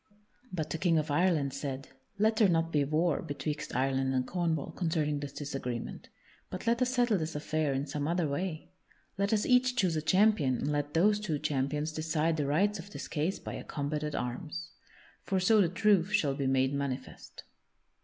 But the King of Ireland said: "Let there not be war betwixt Ireland and Cornwall concerning this disagreement, but let us settle this affair in some other way. Let us each choose a champion and let those two champions decide the rights of this case by a combat at arms. For so the truth shall be made manifest."